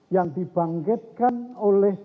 yang dibangkitkan oleh